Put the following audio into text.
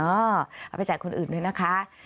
เอาไปแจกคนอื่นด้วยนะคะ